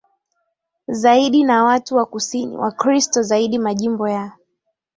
zaidi na watu wa kusini Wakristo zaidi Majimbo ya